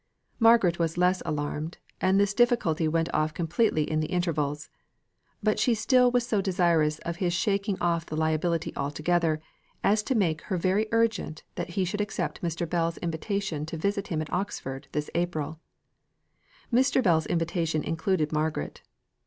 Margaret was less alarmed, as this difficulty went off completely in the intervals; but she still was so desirous of his shaking off the liability altogether, as to make her very urgent that he should accept Mr. Bell's invitation to visit him at Oxford this April. Mr. Bell's invitation included Margaret.